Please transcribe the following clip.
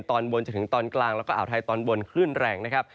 ตอนบนจนถึงตอนกลางแล้วก็อ่าวไทยตอนบนคลื่นแรงนะครับ